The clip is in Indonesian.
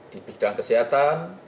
di bidang kesehatan